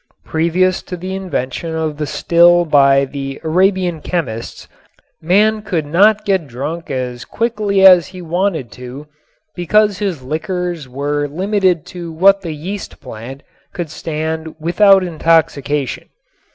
Previous to the invention of the still by the Arabian chemists man could not get drunk as quickly as he wanted to because his liquors were limited to what the yeast plant could stand without intoxication.